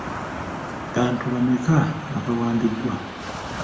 Abantu bameka abawambiddwa?